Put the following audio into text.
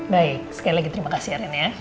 baik sekali lagi terima kasih ya randy ya